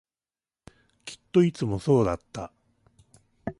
きっといつもそうだった